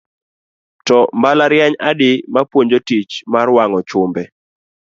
To mbalariany adi ma puonjo tich mar wang'o chumbe.